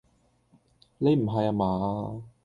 你唔係呀嘛？